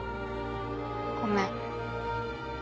ごめん。